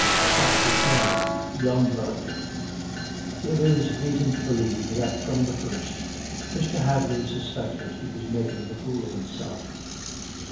CHAPTER X YOUNG BLOOD There is reason to believe that from the first Mr. Hadley suspected he was making a fool of himself.